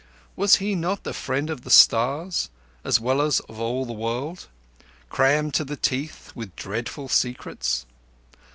Was he not the Friend of the Stars as well as of all the World, crammed to the teeth with dreadful secrets?